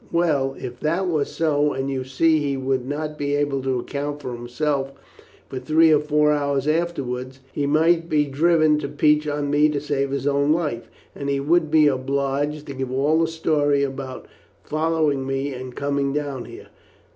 Well, if that was so, and you see he would not be able to account for himself for three or four hours afterwards, he might be driven to peach on me to save his own life, and he would be obliged to give all the story about following me and coming down here.